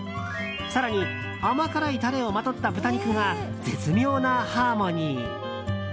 更に甘辛いタレをまとった豚肉が絶妙なハーモニー。